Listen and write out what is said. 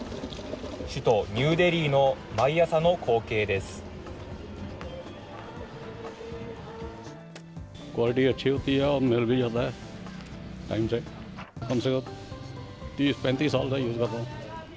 首都ニューデリーの毎朝の光景です。